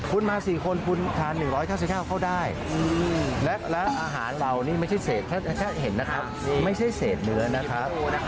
คุณมา๔คนคุณทาน๑๙๙เข้าได้และอาหารเรานี่ไม่ใช่เศษแค่เห็นนะครับไม่ใช่เศษเนื้อนะครับ